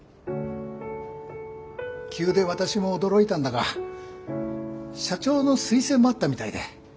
急で私も驚いたんだが社長の推薦もあったみたいで。